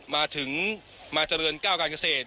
มาถึงมาเจริญก้าวการเกษตร